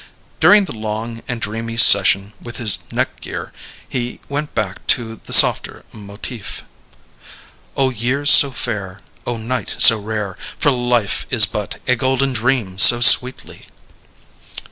During the long and dreamy session with his neck gear he went back to the softer motif: "Oh, years so fair; oh, night so rare! For life is but a golden dream so sweetly."